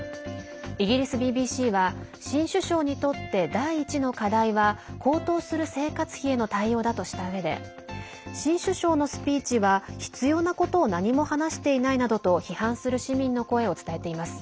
イギリスＢＢＣは新首相にとって第一の課題は高騰する生活費への対応だとしたうえで新首相のスピーチは必要なことを何も話していないなどと批判する市民の声を伝えています。